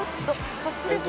こっちですか？